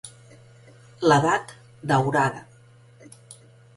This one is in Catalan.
"L'edat daurada".